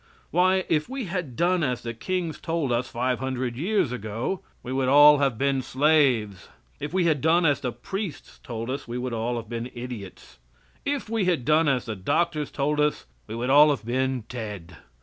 Why, if we had done as the kings told us five hundred years ago, we would all have been slaves. If we had done as the priests told us we would all have been idiots. If we had done as the doctors told us we would all have been dead.